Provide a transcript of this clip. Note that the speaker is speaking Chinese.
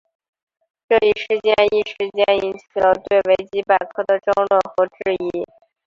这一事件一时间引起了对维基百科的争论和质疑。